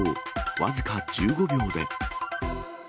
僅か１５秒で。